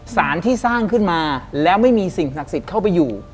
สารที่สร้างขึ้นมาแล้วไม่มีสิ่งศักดิ์สิทธิ์เข้าไปอยู่